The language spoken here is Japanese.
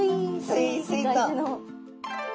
スイスイと。